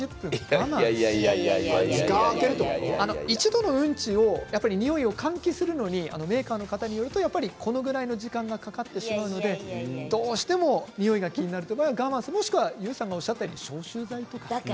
一度のうんちのにおいを換気をするのをメーカーの方によるとこのぐらいの時間がかかってしまうのでどうしてもにおいが気になる場合は我慢するＹＯＵさんがおっしゃったように消臭剤とか。